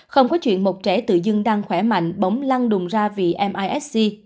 không có chuyện một trẻ tự dưng đang khỏe mạnh bóng lăng đùng ra vì misc